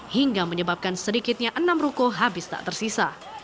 hingga menyebabkan sedikitnya enam ruko habis tak tersisa